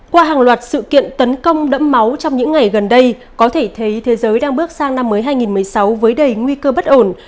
qua hàng loạt sự kiện tấn công đẫm máu trong những ngày gần đây có thể thấy thế giới đang bước sang năm mới hai nghìn một mươi sáu với đầy nguy cơ bất ổn